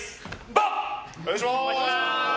バン！お願いします！